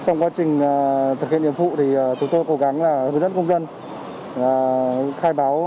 trong quá trình thực hiện nhiệm vụ thì chúng tôi cố gắng là hướng dẫn công dân khai báo